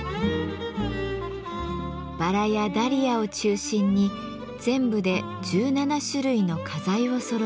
バラやダリアを中心に全部で１７種類の花材をそろえました。